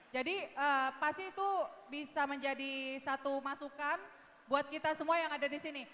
pasti itu bisa menjadi satu masukan buat kita semua yang ada di sini